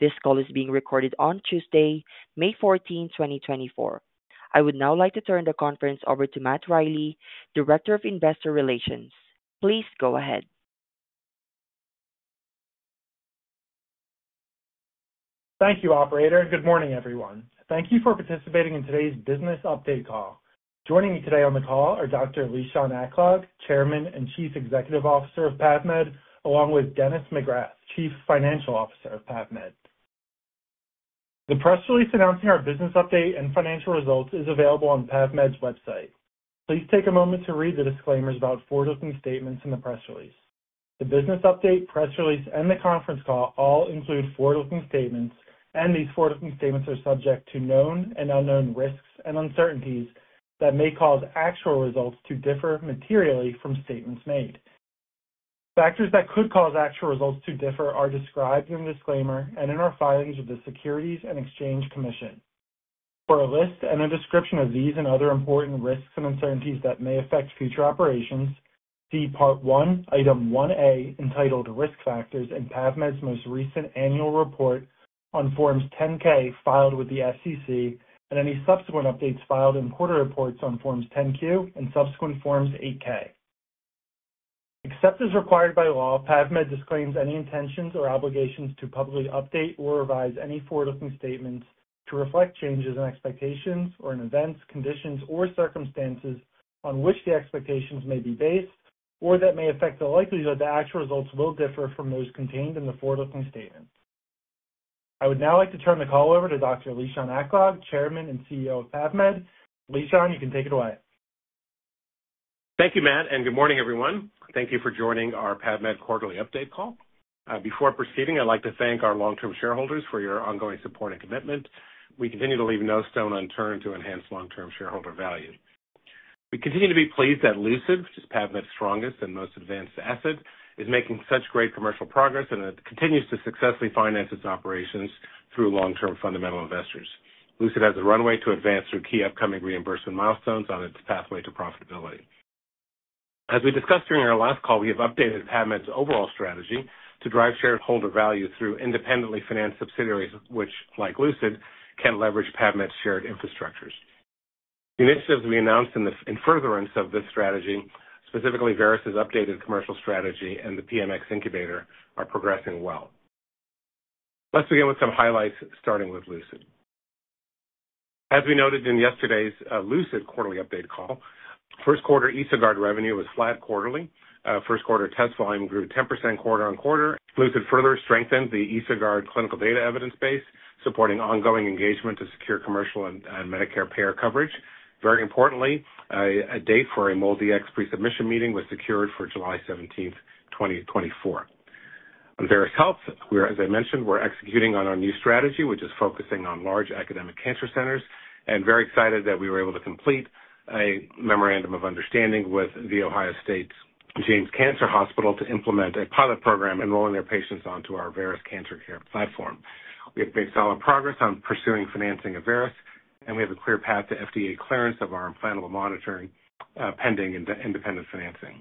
This call is being recorded on Tuesday, May 14, 2024. I would now like to turn the conference over to Matt Riley, Director of Investor Relations. Please go ahead. Thank you, Operator. Good morning, everyone. Thank you for participating in today's business update call. Joining me today on the call are Dr. Lishan Aklog, Chairman and Chief Executive Officer of PAVmed, along with Dennis McGrath, Chief Financial Officer of PAVmed. The press release announcing our business update and financial results is available on PAVmed's website. Please take a moment to read the disclaimers about forward-looking statements in the press release. The business update, press release, and the conference call all include forward-looking statements, and these forward-looking statements are subject to known and unknown risks and uncertainties that may cause actual results to differ materially from statements made. Factors that could cause actual results to differ are described in the disclaimer and in our filings with the Securities and Exchange Commission. For a list and a description of these and other important risks and uncertainties that may affect future operations, see Part 1, Item 1A, entitled "Risk Factors in PAVmed's Most Recent Annual Report on Forms 10-K Filed with the SEC, and Any Subsequent Updates Filed in Quarter Reports on Forms 10-Q and Subsequent Forms 8-K." Except as required by law, PAVmed disclaims any intentions or obligations to publicly update or revise any forward-looking statements to reflect changes in expectations or in events, conditions, or circumstances on which the expectations may be based or that may affect the likelihood the actual results will differ from those contained in the forward-looking statements. I would now like to turn the call over to Dr. Lishan Aklog, Chairman and CEO of PAVmed. Lishan, you can take it away. Thank you, Matt, and good morning, everyone. Thank you for joining our PAVmed quarterly update call. Before proceeding, I'd like to thank our long-term shareholders for your ongoing support and commitment. We continue to leave no stone unturned to enhance long-term shareholder value. We continue to be pleased that Lucid, which is PAVmed's strongest and most advanced asset, is making such great commercial progress and continues to successfully finance its operations through long-term fundamental investors. Lucid has a runway to advance through key upcoming reimbursement milestones on its pathway to profitability. As we discussed during our last call, we have updated PAVmed's overall strategy to drive shareholder value through independently financed subsidiaries which, like Lucid, can leverage PAVmed's shared infrastructures. The initiatives we announced in furtherance of this strategy, specifically Veris's updated commercial strategy and the PMX Incubator, are progressing well. Let's begin with some highlights starting with Lucid. As we noted in yesterday's Lucid quarterly update call, first-quarter EsoGuard revenue was flat quarterly. First-quarter test volume grew 10% quarter-over-quarter. Lucid further strengthened the EsoGuard clinical data evidence base, supporting ongoing engagement to secure commercial and Medicare payer coverage. Very importantly, a date for a MolDX pre-submission meeting was secured for July 17, 2024. On Veris Health, as I mentioned, we're executing on our new strategy, which is focusing on large academic cancer centers, and very excited that we were able to complete a memorandum of understanding with the Ohio State James Cancer Hospital to implement a pilot program enrolling their patients onto our Veris Cancer Care Platform. We have made solid progress on pursuing financing of Veris, and we have a clear path to FDA clearance of our implantable monitoring pending independent financing.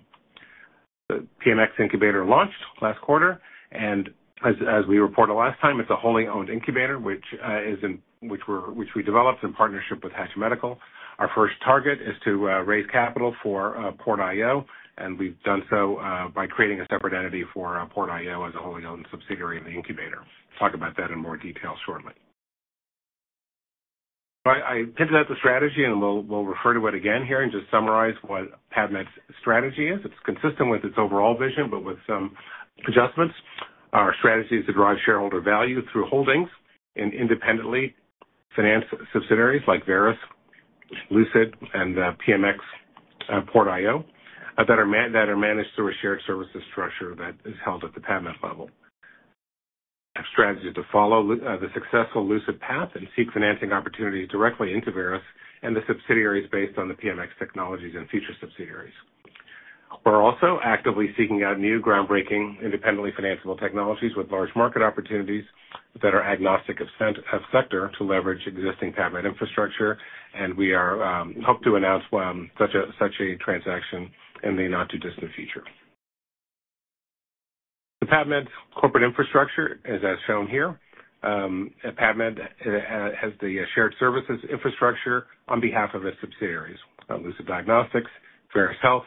The PMX Incubator launched last quarter, and as we reported last time, it's a wholly owned incubator which we developed in partnership with Hatch Medical. Our first target is to raise capital for PortIO, and we've done so by creating a separate entity for PortIO as a wholly owned subsidiary of the incubator. Talk about that in more detail shortly. I pivoted out the strategy, and we'll refer to it again here and just summarize what PAVmed's strategy is. It's consistent with its overall vision but with some adjustments. Our strategy is to drive shareholder value through holdings and independently finance subsidiaries like Veris, Lucid, and PMX PortIO that are managed through a shared services structure that is held at the PAVmed level. Our strategy is to follow the successful Lucid path and seek financing opportunities directly into Veris and the subsidiaries based on the PMX technologies and future subsidiaries. We're also actively seeking out new groundbreaking independently financeable technologies with large market opportunities that are agnostic of sector to leverage existing PAVmed infrastructure, and we hope to announce such a transaction in the not-too-distant future. The PAVmed corporate infrastructure is as shown here. PAVmed has the shared services infrastructure on behalf of its subsidiaries: Lucid Diagnostics, Veris Health,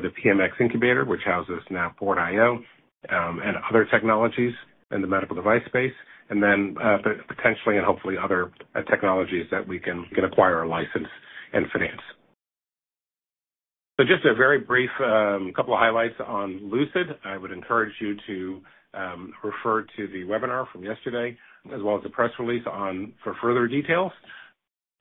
the PMX Incubator which houses now PortIO, and other technologies in the medical device space, and then potentially and hopefully other technologies that we can acquire a license and finance. So just a very brief couple of highlights on Lucid. I would encourage you to refer to the webinar from yesterday as well as the press release for further details.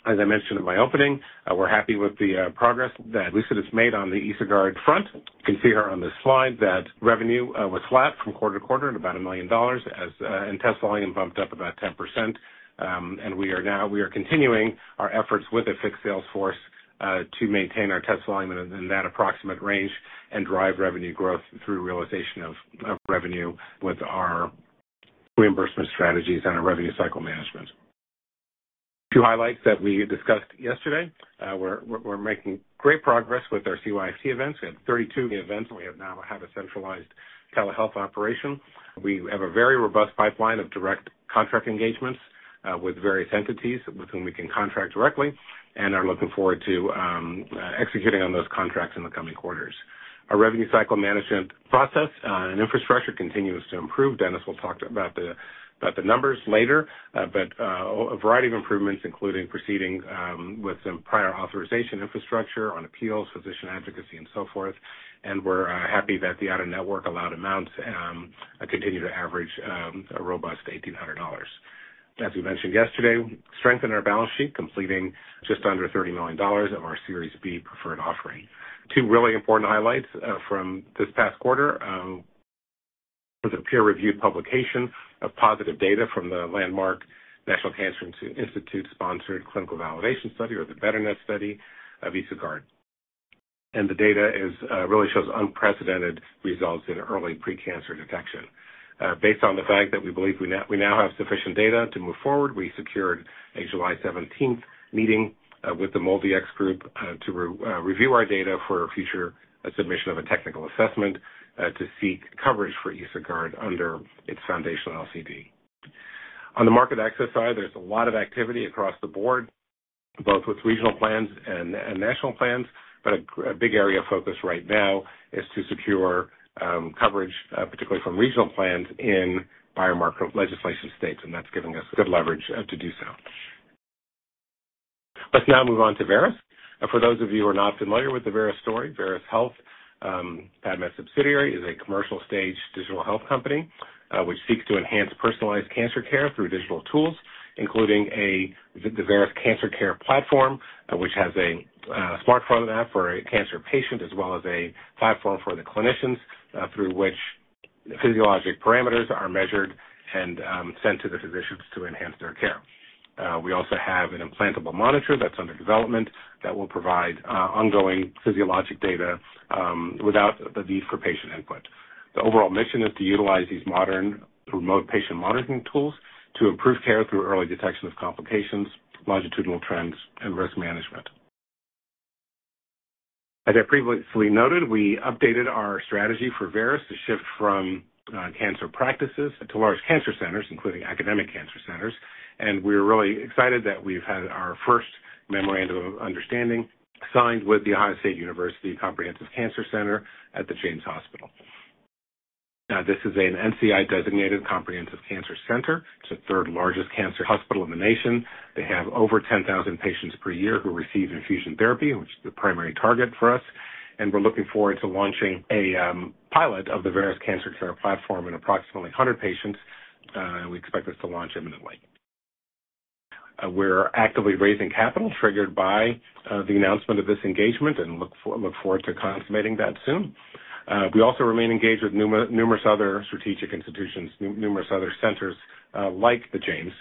As I mentioned in my opening, we're happy with the progress that Lucid has made on the EsoGuard front. You can see here on this slide that revenue was flat from quarter to quarter at about $1 million and test volume bumped up about 10%, and we are continuing our efforts with a fixed sales force to maintain our test volume in that approximate range and drive revenue growth through realization of revenue with our reimbursement strategies and our revenue cycle management. Two highlights that we discussed yesterday: we're making great progress with our CYFT events. We have 32 events. We now have a centralized telehealth operation. We have a very robust pipeline of direct contract engagements with various entities with whom we can contract directly and are looking forward to executing on those contracts in the coming quarters. Our revenue cycle management process and infrastructure continues to improve. Dennis will talk about the numbers later, but a variety of improvements including proceeding with some prior authorization infrastructure on appeals, physician advocacy, and so forth, and we're happy that the out-of-network allowed amounts continue to average a robust $1,800. As we mentioned yesterday, strengthened our balance sheet completing just under $30 million of our Series B preferred offering. Two really important highlights from this past quarter: the peer-reviewed publication of positive data from the landmark National Cancer Institute-sponsored clinical validation study or the BETRNet study of EsoGuard, and the data really shows unprecedented results in early precancer detection. Based on the fact that we believe we now have sufficient data to move forward, we secured a July 17 meeting with the MolDX group to review our data for future submission of a technical assessment to seek coverage for EsoGuard under its foundational LCD. On the market access side, there's a lot of activity across the board both with regional plans and national plans, but a big area of focus right now is to secure coverage, particularly from regional plans, in biomarker legislation states, and that's giving us good leverage to do so. Let's now move on to Veris. For those of you who are not familiar with the Veris story, Veris Health, PAVmed's subsidiary, is a commercial-stage digital health company which seeks to enhance personalized cancer care through digital tools including the Veris Cancer Care Platform which has a smartphone app for a cancer patient as well as a platform for the clinicians through which physiologic parameters are measured and sent to the physicians to enhance their care. We also have an implantable monitor that's under development that will provide ongoing physiologic data without the need for patient input. The overall mission is to utilize these modern remote patient monitoring tools to improve care through early detection of complications, longitudinal trends, and risk management. As I previously noted, we updated our strategy for Veris to shift from cancer practices to large cancer centers including academic cancer centers, and we're really excited that we've had our first memorandum of understanding signed with the Ohio State University Comprehensive Cancer Center – James. This is an NCI-designated comprehensive cancer center. It's the third largest cancer hospital in the nation. They have over 10,000 patients per year who receive infusion therapy, which is the primary target for us, and we're looking forward to launching a pilot of the Veris Cancer Care Platform in approximately 100 patients. We expect this to launch imminently. We're actively raising capital triggered by the announcement of this engagement and look forward to consummating that soon. We also remain engaged with numerous other strategic institutions, numerous other centers like the James.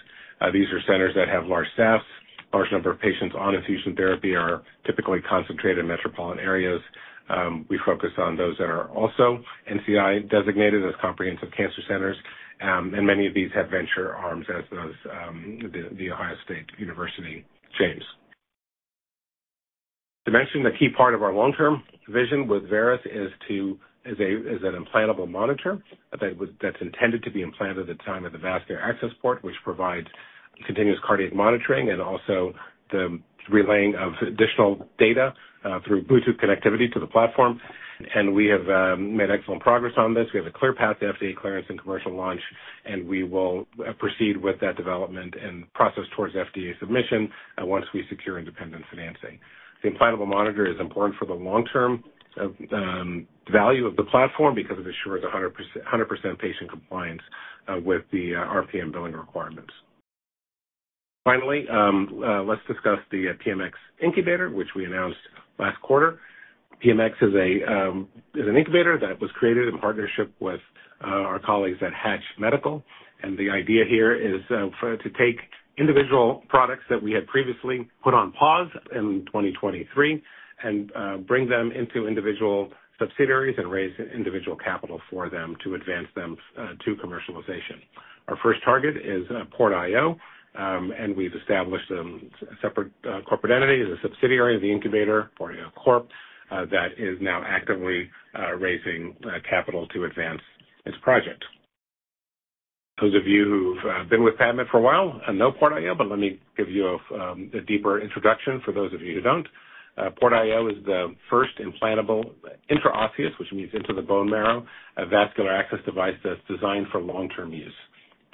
These are centers that have large staffs. Large number of patients on infusion therapy are typically concentrated in metropolitan areas. We focus on those that are also NCI-designated as comprehensive cancer centers, and many of these have venture arms as does the Ohio State University James. To mention a key part of our long-term vision with Veris is an implantable monitor that's intended to be implanted at the time of the vascular access port which provides continuous cardiac monitoring and also the relaying of additional data through Bluetooth connectivity to the platform, and we have made excellent progress on this. We have a clear path to FDA clearance and commercial launch, and we will proceed with that development and process towards FDA submission once we secure independent financing. The implantable monitor is important for the long-term value of the platform because it assures 100% patient compliance with the RPM billing requirements. Finally, let's discuss the PMX Incubator which we announced last quarter. PMX is an incubator that was created in partnership with our colleagues at Hatch Medical, and the idea here is to take individual products that we had previously put on pause in 2023 and bring them into individual subsidiaries and raise individual capital for them to advance them to commercialization. Our first target is PortIO, and we've established a separate corporate entity as a subsidiary of the incubator, PortIO Corp, that is now actively raising capital to advance its project. Those of you who've been with PAVmed for a while know PortIO, but let me give you a deeper introduction for those of you who don't. PortIO is the first implantable intraosseous, which means into the bone marrow, vascular access device that's designed for long-term use.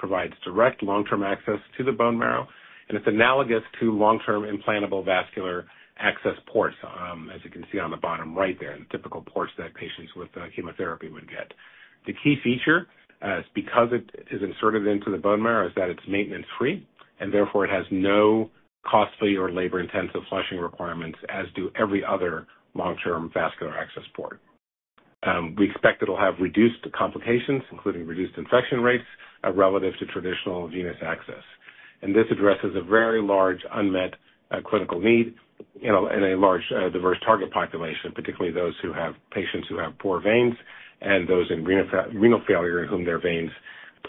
It provides direct long-term access to the bone marrow, and it's analogous to long-term implantable vascular access ports as you can see on the bottom right there, the typical ports that patients with chemotherapy would get. The key feature, because it is inserted into the bone marrow, is that it's maintenance-free and therefore it has no costly or labor-intensive flushing requirements as do every other long-term vascular access port. We expect it'll have reduced complications including reduced infection rates relative to traditional venous access, and this addresses a very large unmet clinical need in a large diverse target population, particularly those who have patients who have poor veins and those in renal failure in whom their veins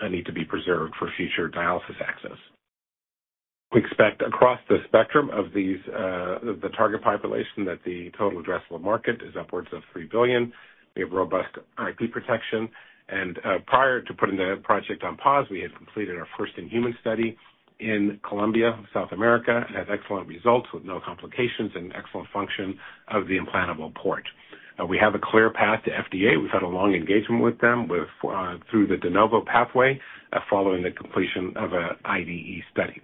need to be preserved for future dialysis access. We expect across the spectrum of the target population that the total addressable market is upwards of $3 billion. We have robust IP protection, and prior to putting the project on pause, we had completed our first-in-human study in Colombia, South America, and had excellent results with no complications and excellent function of the implantable port. We have a clear path to FDA. We've had a long engagement with them through the De Novo pathway following the completion of an IDE study.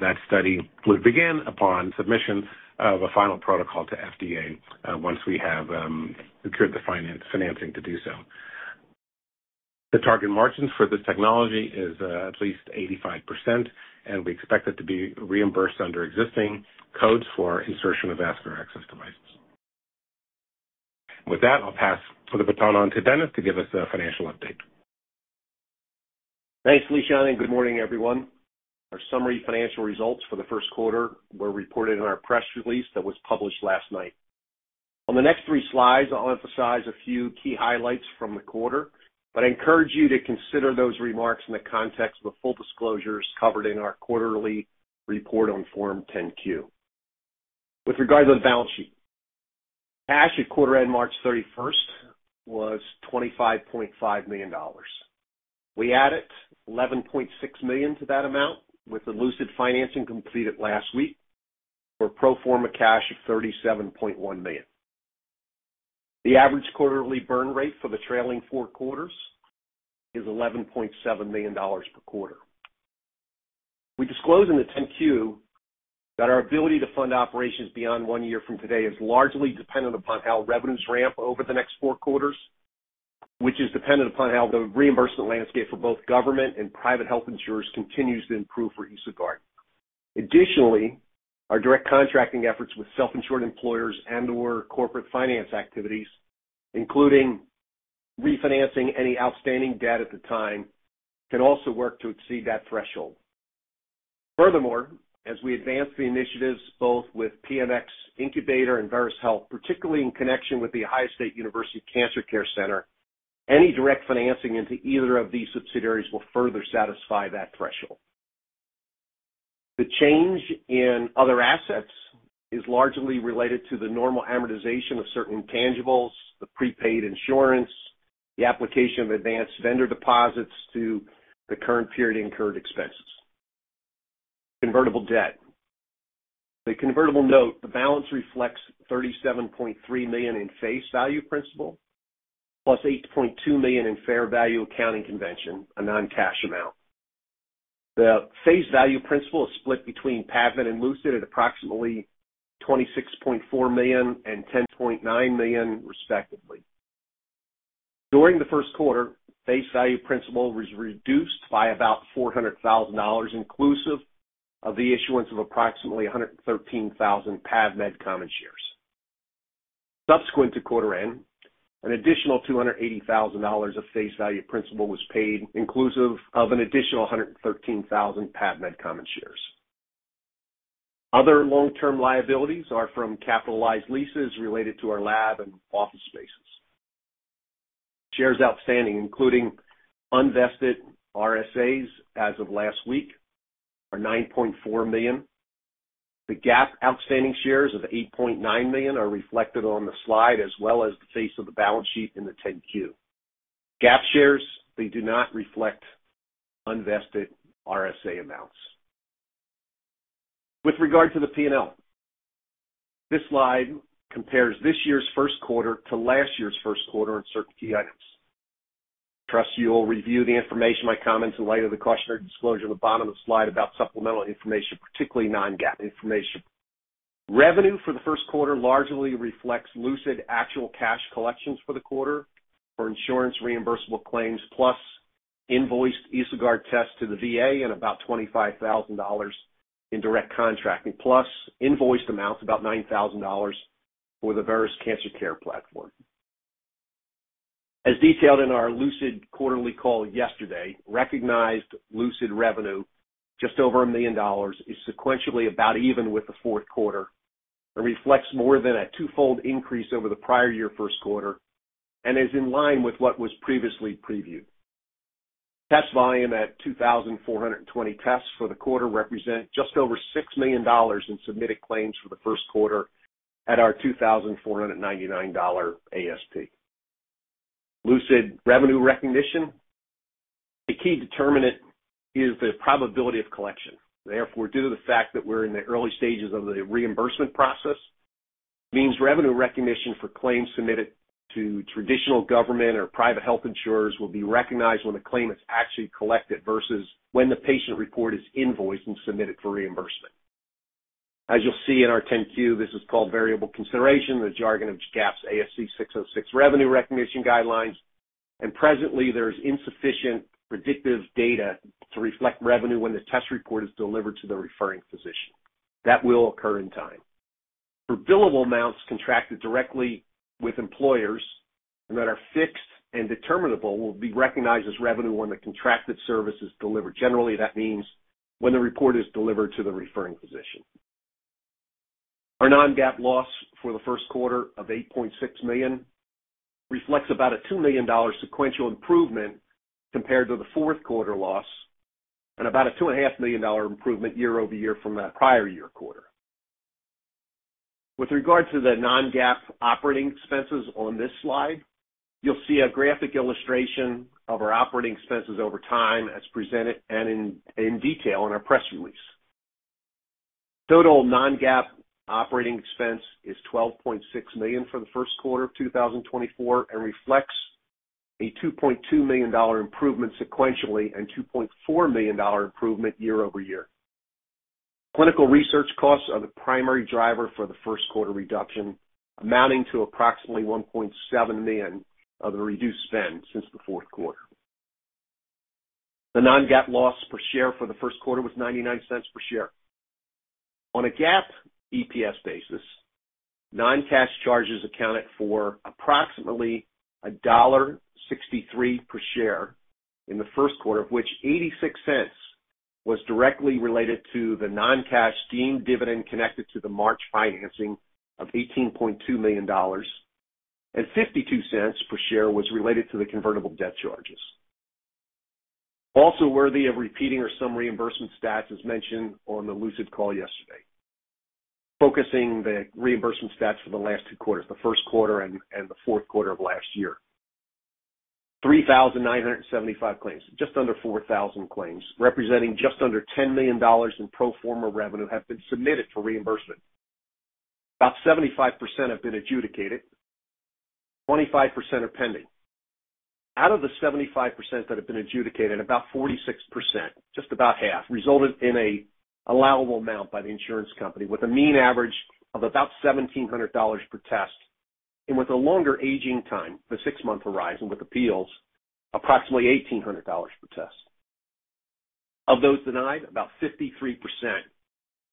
That study would begin upon submission of a final protocol to FDA once we have secured the financing to do so. The target margins for this technology is at least 85%, and we expect it to be reimbursed under existing codes for insertion of vascular access devices. With that, I'll pass the baton on to Dennis to give us a financial update. Thanks, Lishan, and good morning, everyone. Our summary financial results for the first quarter were reported in our press release that was published last night. On the next three slides, I'll emphasize a few key highlights from the quarter, but I encourage you to consider those remarks in the context of the full disclosures covered in our quarterly report on Form 10-Q. With regard to the balance sheet, cash at quarter-end March 31st was $25.5 million. We added $11.6 million to that amount with the Lucid financing completed last week for pro forma cash of $37.1 million. The average quarterly burn rate for the trailing four quarters is $11.7 million per quarter. We disclose in the 10-Q that our ability to fund operations beyond one year from today is largely dependent upon how revenues ramp over the next four quarters, which is dependent upon how the reimbursement landscape for both government and private health insurers continues to improve for EsoGuard. Additionally, our direct contracting efforts with self-insured employers and/or corporate finance activities including refinancing any outstanding debt at the time can also work to exceed that threshold. Furthermore, as we advance the initiatives both with PMX Incubator and Veris Health, particularly in connection with the Ohio State University Cancer Care Center, any direct financing into either of these subsidiaries will further satisfy that threshold. The change in other assets is largely related to the normal amortization of certain tangibles, the prepaid insurance, the application of advanced vendor deposits to the current period incurred expenses. Convertible debt. The convertible note, the balance reflects $37.3 million in face value principal plus $8.2 million in fair value accounting convention, a non-cash amount. The face value principal is split between PAVmed and Lucid at approximately $26.4 million and $10.9 million respectively. During the first quarter, face value principal was reduced by about $400,000 inclusive of the issuance of approximately 113,000 PAVmed common shares. Subsequent to quarter-end, an additional $280,000 of face value principal was paid inclusive of an additional 113,000 PAVmed common shares. Other long-term liabilities are from capitalized leases related to our lab and office spaces. Shares outstanding including unvested RSAs as of last week are $9.4 million. The GAAP outstanding shares of $8.9 million are reflected on the slide as well as the face of the balance sheet in the 10-Q. GAAP shares, they do not reflect unvested RSA amounts. With regard to the P&L, this slide compares this year's first quarter to last year's first quarter and certain key items. I trust you'll review the information, my comments in light of the cautionary disclosure on the bottom of the slide about supplemental information, particularly non-GAAP information. Revenue for the first quarter largely reflects Lucid actual cash collections for the quarter for insurance reimbursable claims plus invoiced EsoGuard tests to the VA and about $25,000 in direct contracting plus invoiced amounts, about $9,000, for the Veris Cancer Care Platform. As detailed in our Lucid quarterly call yesterday, recognized Lucid revenue just over $1 million is sequentially about even with the fourth quarter and reflects more than a twofold increase over the prior year first quarter and is in line with what was previously previewed. Test volume at 2,420 tests for the quarter represents just over $6 million in submitted claims for the first quarter at our $2,499 ASP. Lucid revenue recognition, a key determinant, is the probability of collection. Therefore, due to the fact that we're in the early stages of the reimbursement process, it means revenue recognition for claims submitted to traditional government or private health insurers will be recognized when the claim is actually collected versus when the patient report is invoiced and submitted for reimbursement. As you'll see in our 10-Q, this is called variable consideration, the jargon of GAAP's ASC 606 revenue recognition guidelines, and presently, there's insufficient predictive data to reflect revenue when the test report is delivered to the referring physician. That will occur in time. For billable amounts contracted directly with employers and that are fixed and determinable will be recognized as revenue when the contracted service is delivered. Generally, that means when the report is delivered to the referring physician. Our non-GAAP loss for the first quarter of $8.6 million reflects about a $2 million sequential improvement compared to the fourth quarter loss and about a $2.5 million improvement year-over-year from that prior year quarter. With regard to the non-GAAP operating expenses on this slide, you'll see a graphic illustration of our operating expenses over time as presented and in detail in our press release. Total non-GAAP operating expense is $12.6 million for the first quarter of 2024 and reflects a $2.2 million improvement sequentially and $2.4 million improvement year-over-year. Clinical research costs are the primary driver for the first quarter reduction amounting to approximately $1.7 million of the reduced spend since the fourth quarter. The non-GAAP loss per share for the first quarter was $0.99 per share. On a GAAP EPS basis, non-cash charges accounted for approximately $1.63 per share in the first quarter, of which $0.86 was directly related to the non-cash deemed dividend connected to the March financing of $18.2 million, and $0.52 per share was related to the convertible debt charges. Also worthy of repeating are some reimbursement stats as mentioned on the Lucid call yesterday, focusing the reimbursement stats for the last two quarters, the first quarter and the fourth quarter of last year. 3,975 claims, just under 4,000 claims, representing just under $10 million in pro forma revenue have been submitted for reimbursement. About 75% have been adjudicated, 25% are pending. Out of the 75% that have been adjudicated, about 46%, just about half, resulted in an allowable amount by the insurance company with a mean average of about $1,700 per test and with a longer aging time, the 6-month horizon with appeals, approximately $1,800 per test. Of those denied, about 53%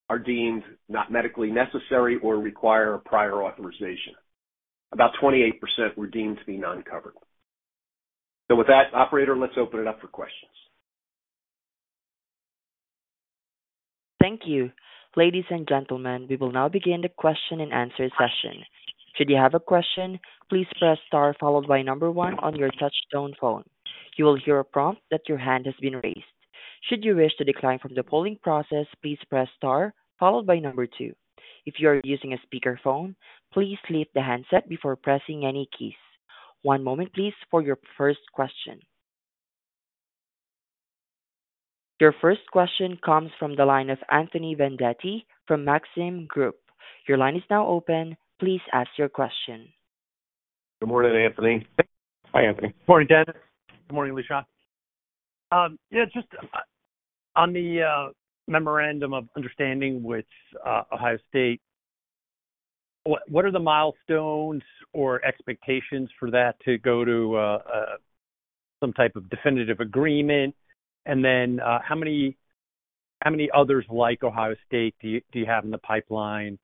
are deemed not medically necessary or require a prior authorization. About 28% were deemed to be non-covered. So with that, operator, let's open it up for questions. Thank you. Ladies and gentlemen, we will now begin the question-and-answer session. Should you have a question, please press star followed by number one on your touch-tone phone. You will hear a prompt that your hand has been raised. Should you wish to decline from the polling process, please press star followed by number two. If you are using a speakerphone, please leave the handset before pressing any keys. One moment, please, for your first question. Your first question comes from the line of Anthony Vendetti from Maxim Group. Your line is now open. Please ask your question. Good morning, Anthony. Hi, Anthony. Good morning, Dennis. Good morning, Lishan. Yeah, just on the memorandum of understanding with Ohio State, what are the milestones or expectations for that to go to some type of definitive agreement? And then how many others like Ohio State do you have in the pipeline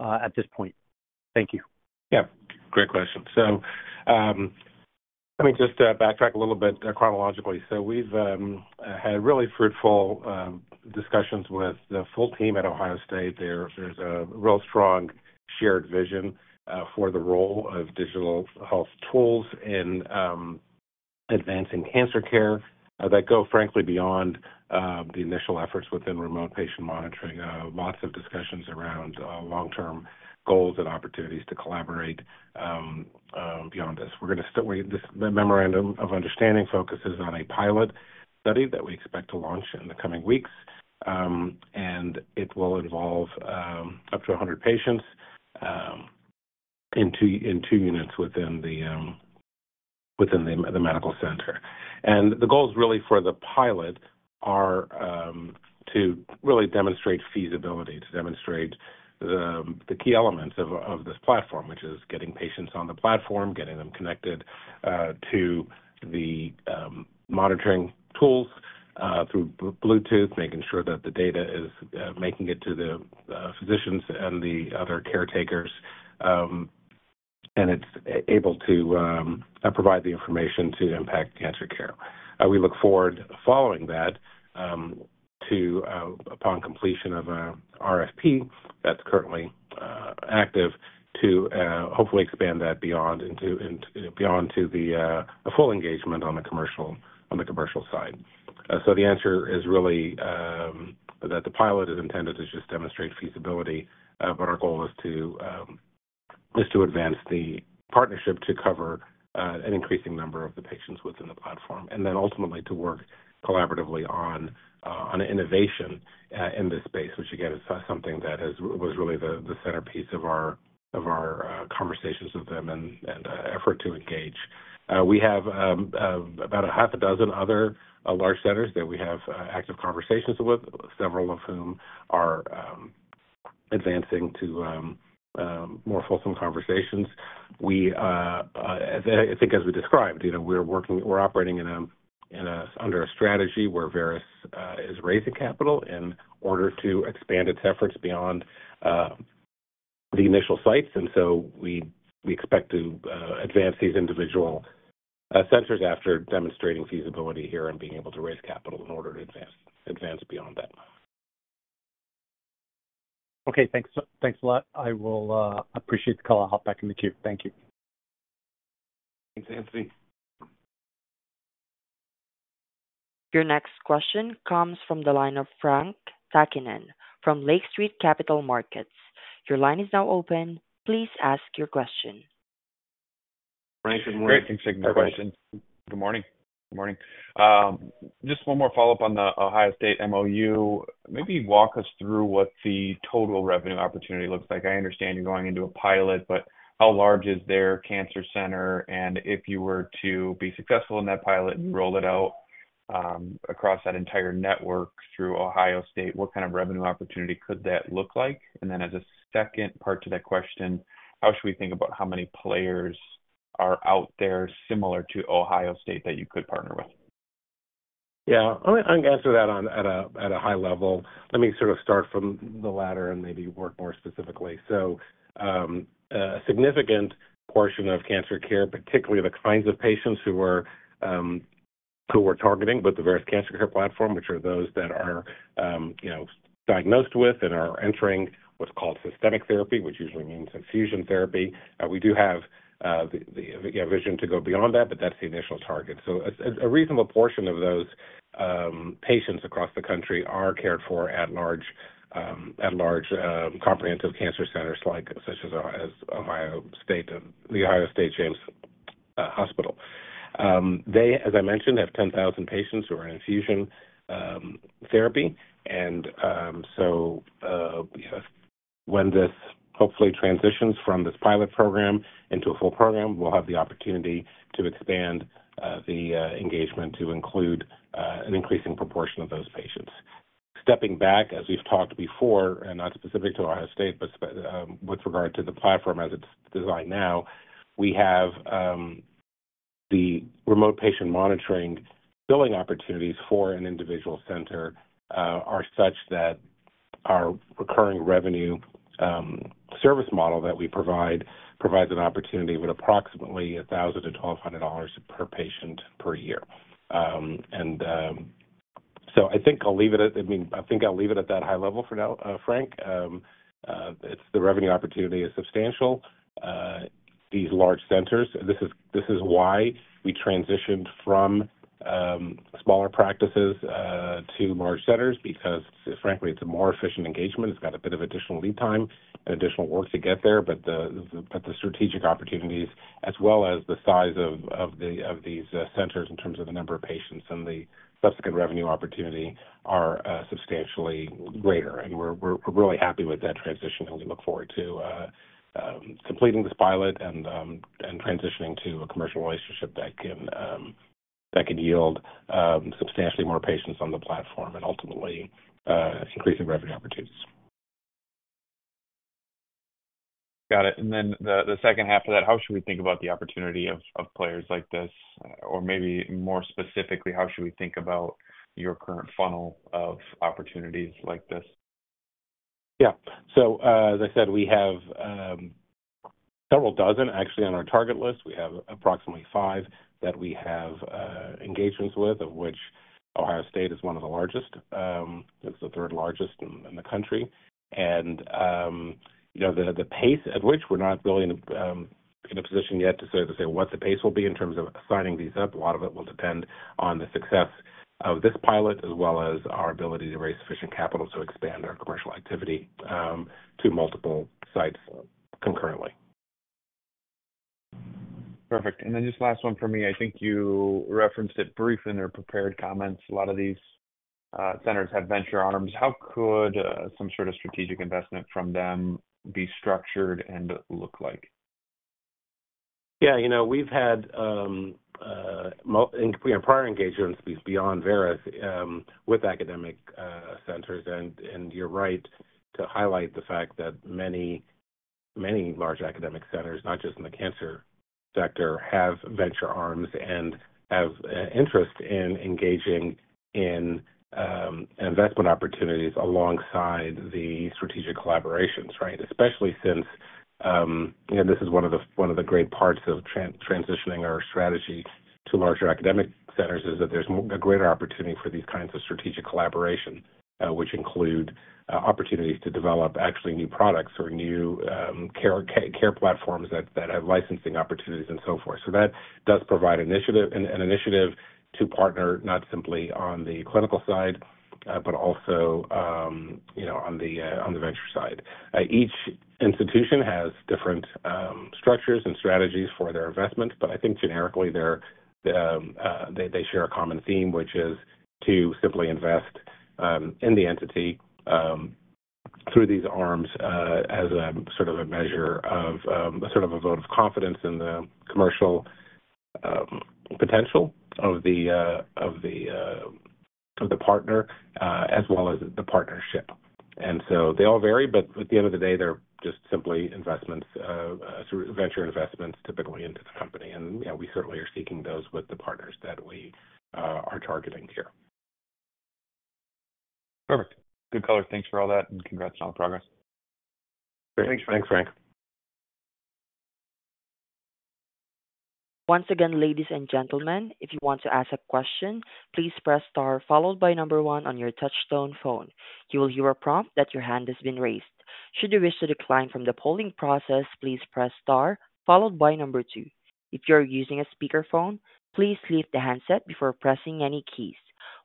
at this point? Thank you. Yeah, great question. So let me just backtrack a little bit chronologically. So we've had really fruitful discussions with the full team at Ohio State. There's a real strong shared vision for the role of digital health tools in advancing cancer care that go, frankly, beyond the initial efforts within remote patient monitoring. Lots of discussions around long-term goals and opportunities to collaborate beyond this. This memorandum of understanding focuses on a pilot study that we expect to launch in the coming weeks, and it will involve up to 100 patients in 2 units within the medical center. The goals really for the pilot are to really demonstrate feasibility, to demonstrate the key elements of this platform, which is getting patients on the platform, getting them connected to the monitoring tools through Bluetooth, making sure that the data is making it to the physicians and the other caretakers, and it's able to provide the information to impact cancer care. We look forward, following that, upon completion of an RFP that's currently active, to hopefully expand that beyond to a full engagement on the commercial side. So the answer is really that the pilot is intended to just demonstrate feasibility, but our goal is to advance the partnership to cover an increasing number of the patients within the platform and then ultimately to work collaboratively on innovation in this space, which, again, is something that was really the centerpiece of our conversations with them and effort to engage. We have about a half a dozen other large centers that we have active conversations with, several of whom are advancing to more fulsome conversations. I think as we described, we're operating under a strategy where Veris is raising capital in order to expand its efforts beyond the initial sites. So we expect to advance these individual centers after demonstrating feasibility here and being able to raise capital in order to advance beyond that. Okay, thanks a lot. I will appreciate the call. I'll hop back in the queue. Thank you. Thanks, Anthony. Your next question comes from the line of Frank Takkinen from Lake Street Capital Markets. Your line is now open. Please ask your question. Frank, good morning. Great. Can you take the question? Good morning. Good morning. Just one more follow-up on the Ohio State MOU. Maybe walk us through what the total revenue opportunity looks like. I understand you're going into a pilot, but how large is their cancer center? And if you were to be successful in that pilot and you rolled it out across that entire network through Ohio State, what kind of revenue opportunity could that look like? And then as a second part to that question, how should we think about how many players are out there similar to Ohio State that you could partner with? Yeah, I'll answer that at a high level. Let me sort of start from the latter and maybe work more specifically. So a significant portion of cancer care, particularly the kinds of patients who we're targeting with the Veris Cancer Care Platform, which are those that are diagnosed with and are entering what's called systemic therapy, which usually means infusion therapy. We do have the vision to go beyond that, but that's the initial target. So a reasonable portion of those patients across the country are cared for at large comprehensive cancer centers such as Ohio State, the Ohio State James Hospital. They, as I mentioned, have 10,000 patients who are in infusion therapy. And so when this hopefully transitions from this pilot program into a full program, we'll have the opportunity to expand the engagement to include an increasing proportion of those patients. Stepping back, as we've talked before, not specific to Ohio State, but with regard to the platform as it's designed now, we have the remote patient monitoring billing opportunities for an individual center are such that our recurring revenue service model that we provide provides an opportunity with approximately $1,000-$1,200 per patient per year. And so I think I'll leave it at I mean, I think I'll leave it at that high level for now, Frank. The revenue opportunity is substantial. These large centers, this is why we transitioned from smaller practices to large centers because, frankly, it's a more efficient engagement. It's got a bit of additional lead time and additional work to get there. But the strategic opportunities, as well as the size of these centers in terms of the number of patients and the subsequent revenue opportunity, are substantially greater. And we're really happy with that transition, and we look forward to completing this pilot and transitioning to a commercial relationship that can yield substantially more patients on the platform and ultimately increasing revenue opportunities. Got it. And then the second half of that, how should we think about the opportunity of players like this? Or maybe more specifically, how should we think about your current funnel of opportunities like this? Yeah. So as I said, we have several dozen, actually, on our target list. We have approximately five that we have engagements with, of which Ohio State is one of the largest. It's the third largest in the country. And the pace at which we're not really in a position yet to say what the pace will be in terms of signing these up, a lot of it will depend on the success of this pilot as well as our ability to raise sufficient capital to expand our commercial activity to multiple sites concurrently. Perfect. And then just last one for me. I think you referenced it briefly in your prepared comments. A lot of these centers have venture arms. How could some sort of strategic investment from them be structured and look like? Yeah, we've had in prior engagements, beyond Veris, with academic centers. And you're right to highlight the fact that many large academic centers, not just in the cancer sector, have venture arms and have interest in engaging in investment opportunities alongside the strategic collaborations, right? Especially since this is one of the great parts of transitioning our strategy to larger academic centers, is that there's a greater opportunity for these kinds of strategic collaboration, which include opportunities to develop actually new products or new care platforms that have licensing opportunities and so forth. So that does provide an initiative to partner not simply on the clinical side but also on the venture side. Each institution has different structures and strategies for their investment, but I think generically, they share a common theme, which is to simply invest in the entity through these arms as a sort of a measure of a sort of a vote of confidence in the commercial potential of the partner as well as the partnership. And so they all vary, but at the end of the day, they're just simply venture investments typically into the company. We certainly are seeking those with the partners that we are targeting here. Perfect. Good color. Thanks for all that, and congrats on all the progress. Great. Thanks, Frank. Thanks, Frank. Once again, ladies and gentlemen, if you want to ask a question, please press star followed by number one on your touch-tone phone. You will hear a prompt that your hand has been raised. Should you wish to decline from the polling process, please press star followed by number two. If you are using a speakerphone, please leave the handset before pressing any keys.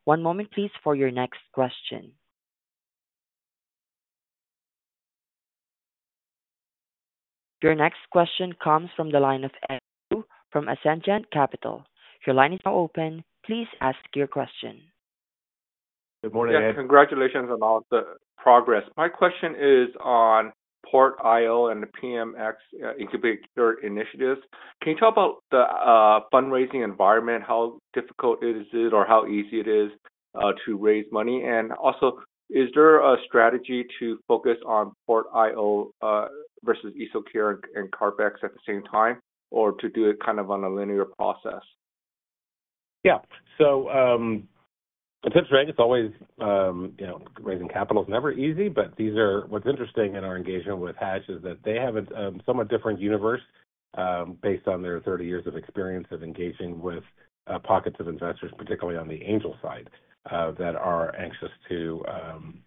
One moment, please, for your next question. Your next question comes from the line of Edward from Ascendiant Capital. Your line is now open. Please ask your question. Good morning, Ed. Yeah, congratulations on all the progress. My question is on PortIO and the PMX incubator initiatives. Can you talk about the fundraising environment, how difficult it is or how easy it is to raise money? And also, is there a strategy to focus on PortIO versus EsoCure and CarpX at the same time, or to do it kind of on a linear process? Yeah. So it's interesting. It's always raising capital is never easy, but what's interesting in our engagement with Hatch is that they have a somewhat different universe based on their 30 years of experience of engaging with pockets of investors, particularly on the angel side, that are anxious to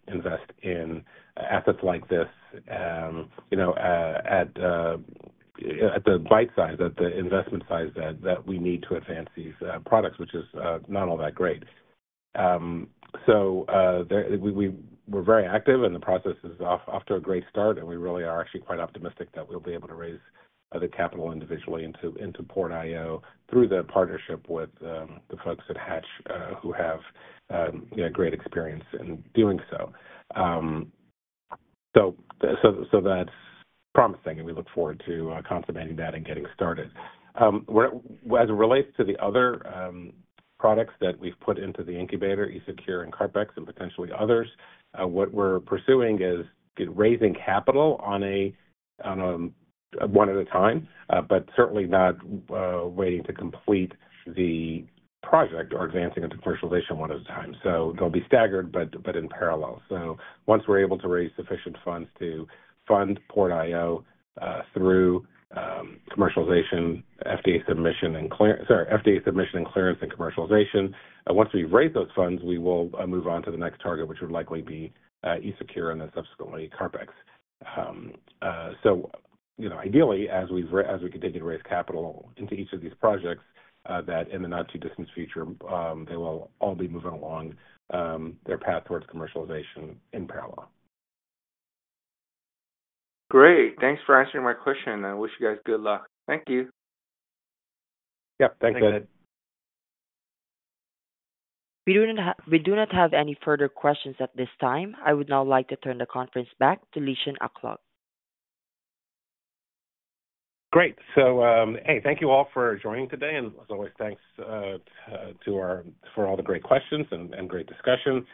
invest in assets like this at the bite size, at the investment size that we need to advance these products, which is not all that great. So we're very active, and the process is off to a great start. And we really are actually quite optimistic that we'll be able to raise the capital individually into PortIO through the partnership with the folks at Hatch who have great experience in doing so. So that's promising, and we look forward to consummating that and getting started. As it relates to the other products that we've put into the incubator, EsoCure and CarpX, and potentially others, what we're pursuing is raising capital one at a time, but certainly not waiting to complete the project or advancing into commercialization one at a time. So they'll be staggered but in parallel. So once we're able to raise sufficient funds to fund PortIO through commercialization, FDA submission and sorry, FDA submission and clearance and commercialization, once we've raised those funds, we will move on to the next target, which would likely be EsoCure and then subsequently CarpX. So ideally, as we continue to raise capital into each of these projects, that in the not-too-distant future, they will all be moving along their path towards commercialization in parallel. Great. Thanks for answering my question, and I wish you guys good luck. Thank you. Yep. Thanks, Ed. Thanks, Ed. We do not have any further questions at this time. I would now like to turn the conference back to Lishan Aklog. Great. So hey, thank you all for joining today. And as always, thanks for all the great questions and great discussion.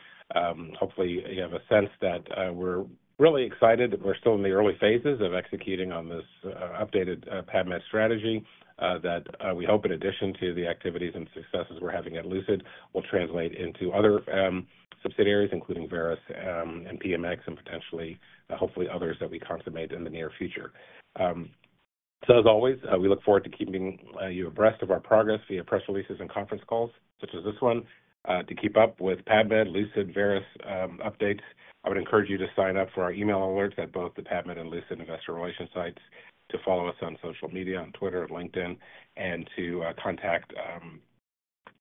Hopefully, you have a sense that we're really excited. We're still in the early phases of executing on this updated PAVmed strategy that we hope, in addition to the activities and successes we're having at Lucid, will translate into other subsidiaries, including Veris and PMX and potentially, hopefully, others that we consummate in the near future. So as always, we look forward to keeping you abreast of our progress via press releases and conference calls such as this one. To keep up with PAVmed, Lucid, Veris updates, I would encourage you to sign up for our email alerts at both the PAVmed and Lucid investor relation sites to follow us on social media, on Twitter, on LinkedIn, and to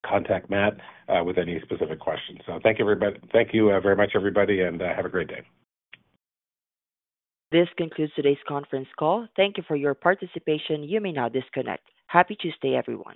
contact Matt with any specific questions. So thank you very much, everybody, and have a great day. This concludes today's conference call. Thank you for your participation. You may now disconnect. Happy Tuesday, everyone.